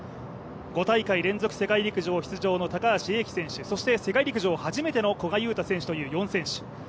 ５大会連続世界陸上出場の高橋英輝選手、そして世界陸上初めての古賀友太選手という４選手。